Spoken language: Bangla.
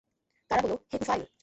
তারা বলল, হে তুফাইল!